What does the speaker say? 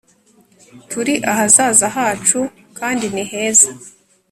turi ahazaza hacu kandi niheza